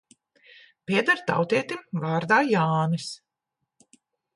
Pieder tautietim vārdā Jānis.